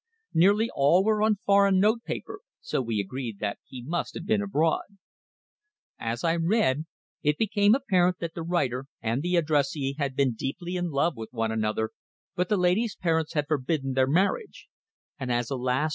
Nearly all were on foreign notepaper, so we agreed that he must have been abroad. As I read, it became apparent that the writer and the addressee had been deeply in love with one another, but the lady's parents had forbidden their marriage; and as, alas!